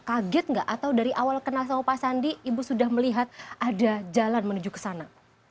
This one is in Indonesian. kaget nggak atau dari awal kenal sama pak sandi ibu sudah melihat ada jalan menuju ke sana